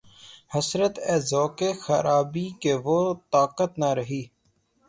حسرت! اے ذوقِ خرابی کہ‘ وہ طاقت نہ رہی